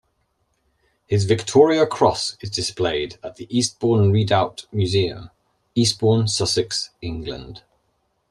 His Victoria Cross is displayed at the Eastbourne Redoubt Museum, Eastbourne, Sussex, England.